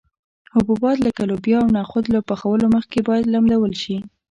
حبوبات لکه لوبیا او نخود له پخولو مخکې باید لمدول شي.